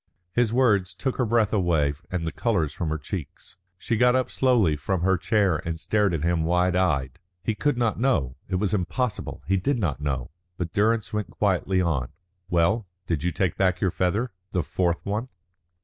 His words took her breath away and the colour from her cheeks. She got up slowly from her chair and stared at him wide eyed. He could not know. It was impossible. He did not know. But Durrance went quietly on. "Well? Did you take back your feather? The fourth one?"